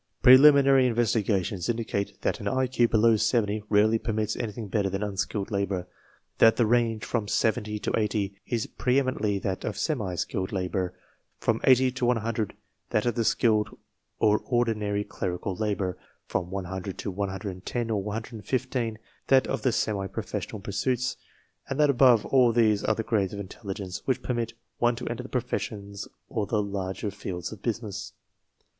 P reliminary in vestigations indicate that an IQ below 70 rarely permits anything better than unskilled labor; that the range from 70 to 80 is preeminently that of semi skilled labor, from 80 to 100 that of the skilled of ordinary clerical labor, from 100 to 110 or 115 that fit the semi professional pursuits; and that above all these are the grades of intelligence which permit one to enter the professions or the larger fields of business.